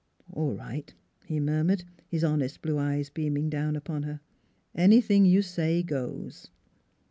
" All right," he murmured, his honest blue eyes beaming down upon her. " Anything you say goes."